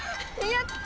やった！